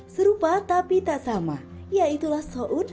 serupa tapi tak sama yaitulah soun dan bihut